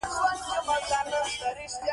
ذهن يې هېڅ کله د جمود ښکار نه شي.